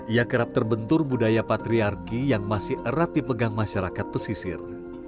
ia kerap terbentur budaya patriarki yang masih erat dipegang masyarakat pesisir